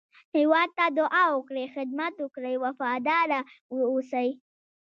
هېواد ته دعا وکړئ، خدمت وکړئ، وفاداره واوسی